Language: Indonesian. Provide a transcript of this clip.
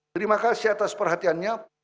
terima kasih atas perhatiannya